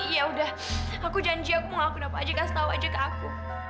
ya udah aku janji aku mau ngakuin apa aja kasih tau aja ke aku